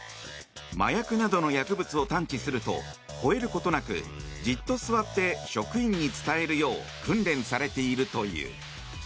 麻薬などの薬物を探知するとほえることなくじっと座って職員に伝えるよう訓練されているという。